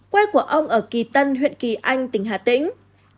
quê của ông ở kỳ tân huyện kỳ anh tỉnh hà tĩnh